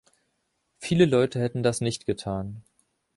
Viele Leute hätten das nicht getan.